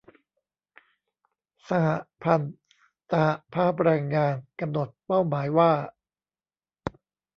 สหพันธ์สหภาพแรงงาน กำหนดเป้าหมายว่า